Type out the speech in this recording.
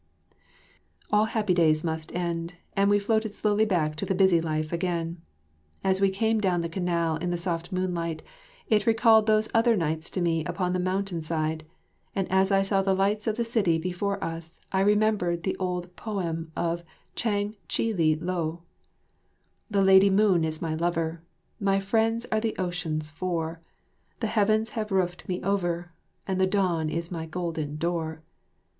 All happy days must end, and we floated slowly back to the busy life again. As we came down the canal in the soft moonlight it recalled those other nights to me upon the mountain side, and as I saw the lights of the city before us I remembered the old poem of Chang Chili Lo: "The Lady Moon is my lover, My friends are the Oceans four, The Heavens have roofed me over, And the Dawn is my golden door.